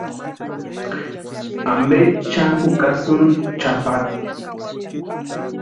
¿Ampe xani jukasïni chʼapata?